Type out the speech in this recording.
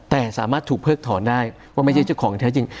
แต่สามารถถูกเพิกถอนได้ว่าไม่ใช่เจ้าของแท้จริง